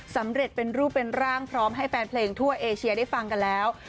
สำเร็จเป็นรูปเป็นร่างพร้อมให้แฟนเพลงทั่วเอเชียได้ฟังกันแล้ว